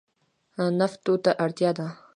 نفتو ته اړتیا ده.